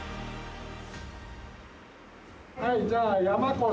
はいじゃあ山古志！